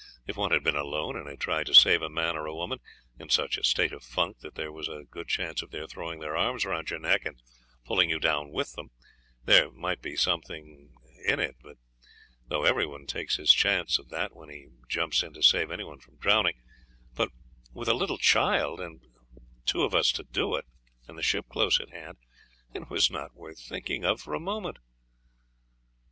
If one had been alone, and had tried to save a man or a woman, in such a state of funk that there was a good chance of their throwing their arms round your neck and pulling you down with them, there might be something in it, though everyone takes his chance of that when he jumps in to save anyone from drowning; but with a little child, and two of us to do it, and the ship close at hand, it was not worth thinking of for a moment."